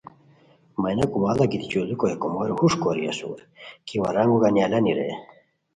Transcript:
مینا کوماڑا گیتی چوڑیکو ہے کومورو ہوݰ کوری اسورکی ورانگو گانی الانی رے